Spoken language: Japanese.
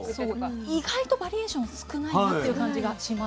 意外とバリエーション少ないっていう感じがしますよね。